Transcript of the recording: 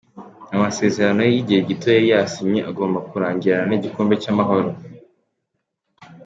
Amasezerano y’igihe gito yari yasinye agomba kurangirana n’igikombe cy’Amahoro.